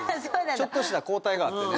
ちょっとした抗体があってね。